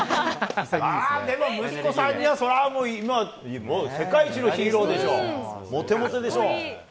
息子さんにとっては、それは世界一のヒーローですよ、モテモテでしょう。